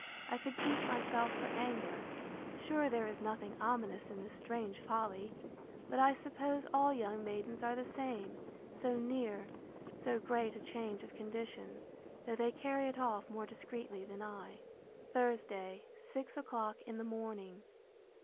—I could beat myself for anger. Sure there is nothing ominous in this strange folly!—But I suppose all young maidens are the same, so near so great a change of condition, though they carry it off more discreetly than I. Thursday, six o'clock in the morning.